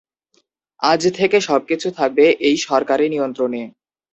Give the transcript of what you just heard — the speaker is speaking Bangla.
আজ থেকে সবকিছু থাকবে এই সরকারি নিয়ন্ত্রণে।